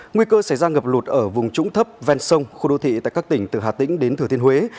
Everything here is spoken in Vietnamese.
nguy cơ xảy ra ngập lụt ở vùng trũng thấp ven sông khu đô thị tại các tỉnh từ hà tĩnh đến thừa thiên huế